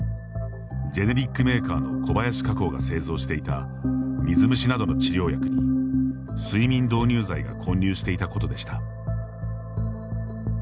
ジェネリックメーカーの小林化工が製造していた水虫などの治療薬に睡眠導入剤が混入していたことでした。